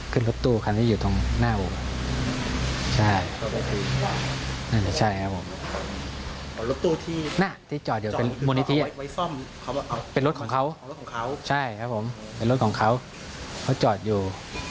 ขึ้นรถตู้ของครั้งที่อยู่ตรงหน้าอู๋